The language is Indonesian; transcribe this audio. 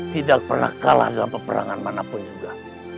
tidak pernah kalah dalam peperangan manapun juga